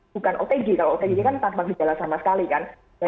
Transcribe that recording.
bukan otg kalau otg kan tanpa gejala sama sekali kan